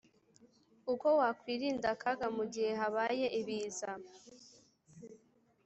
Uko wakwirinda akaga mu gihe habaye ibiza